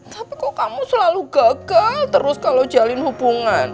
tapi kok kamu selalu gagal terus kalau jalin hubungan